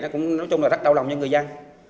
cũng nói chung là rất đau lòng cho người dân